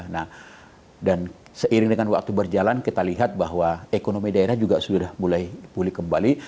nah dan seiring dengan waktu berjalan kita lihat bahwa ekonomi daerah juga sudah mulai pulih kembali